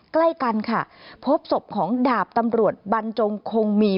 ใกล้กันค่ะพบศพของดาบตำรวจบรรจงคงมี